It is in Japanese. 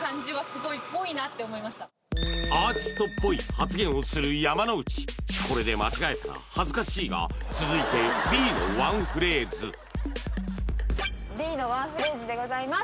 このをする山之内これで間違えたら恥ずかしいが続いてＢのワンフレーズＢのワンフレーズでございます